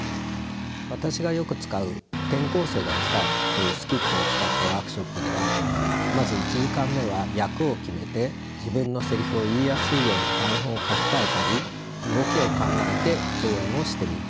私がよく使う「転校生が来た」というスキットを使ったワークショップではまず１時間目は役を決めて自分のせりふを言いやすいように台本を書き換えたり動きを考えて上演をしてみます。